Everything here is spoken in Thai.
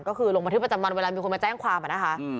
ก็คือลงบันทึกประจำวันเวลามีคนมาแจ้งความนะคะ